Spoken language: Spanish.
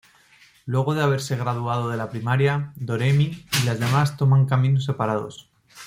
Luego de haberse graduado de la Primaria, Doremi y las demás toman caminos separados.